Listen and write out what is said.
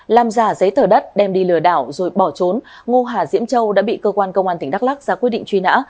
làm giả giấy tờ đất đem đi lừa đảo rồi bỏ trốn ngô hà diễm châu đã bị cơ quan công an tỉnh đắk lắc ra quyết định truy nã